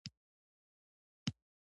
څوک فکر کوي چې د دې موضوع حل اسانه ده